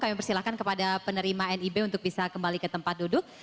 kami persilahkan kepada penerima nib untuk bisa kembali ke tempat duduk